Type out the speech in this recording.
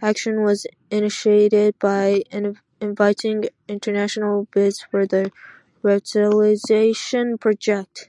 Action was initiated by inviting international bids for the revitalization project.